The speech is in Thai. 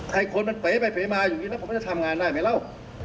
ให้คนมันเป๋ไปเป๋มาอย่างนี้แล้วผมจะทำงานได้ไหมเล่า